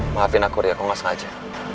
maafin aku ria aku gak sengaja